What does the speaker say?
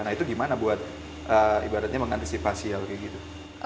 nah itu gimana buat ibaratnya mengantisipasi hal kayak gitu